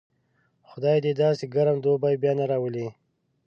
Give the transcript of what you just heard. خدای دې داسې ګرم دوبی بیا نه راولي.